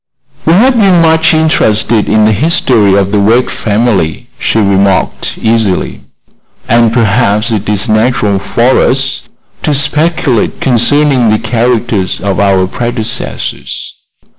"We have been much interested in the history of the Wegg family," she remarked, easily; "and perhaps it is natural for us to speculate concerning the characters of our predecessors.